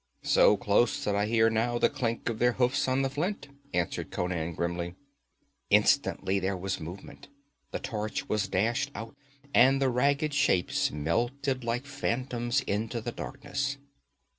'So close that I hear now the clink of their hoofs on the flint,' answered Conan grimly. Instantly there was movement; the torch was dashed out and the ragged shapes melted like phantoms into the darkness.